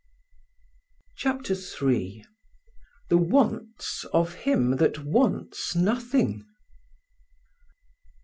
CHAPTER III THE WANTS OF HIM THAT WANTS NOTHING.